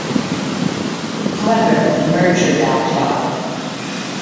However, the merger backed out.